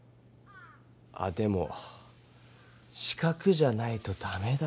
あでも四角じゃないとダメだ。